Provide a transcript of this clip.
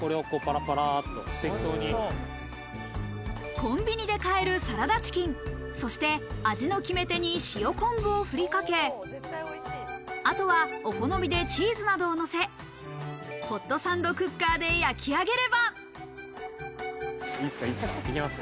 コンビニで買えるサラダチキン、そして味の決め手に塩昆布をふりかけ、あとはお好みでチーズなどをのせ、ホットサンドクッカーで焼き上げれば。